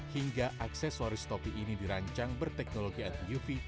hingga aksesoris topi ini dirancang berteknologi at uv